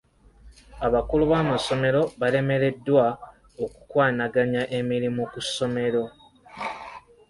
Abakulu b'amasomero balemereddwa okukwanaganya emirimu ku ssomero.